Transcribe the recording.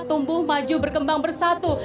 tumbuh maju berkembang bersatu